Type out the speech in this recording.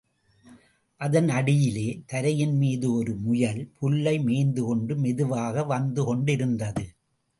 அதன் அடியிலே தரையின் மீது ஒரு முயல் புல்லை மேய்ந்துகொண்டு மெதுவாக வந்துகொண்டிருந்தது.